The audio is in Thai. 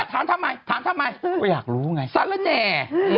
ถามทำไมถามทำไม